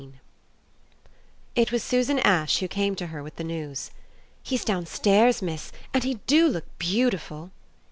XV It was Susan Ash who came to her with the news: "He's downstairs, miss, and he do look beautiful."